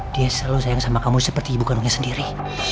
dia selalu sayang sama kamu seperti ibu kandungnya sendiri